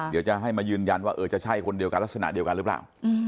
เดี๋ยวจะให้มายืนยันว่าเออจะใช่คนเดียวกันลักษณะเดียวกันหรือเปล่า